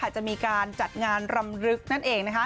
จะมีการจัดงานรำลึกนั่นเอง